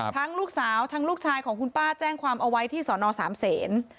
ทั้งลูกสาวทั้งลูกชายของคุณป้าแจ้งความเอาไว้ที่สอนอสามเศษ